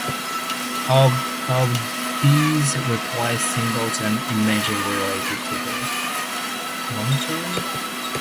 All of these replaced symbols and images related to the monarchy.